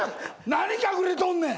何隠れとんねん？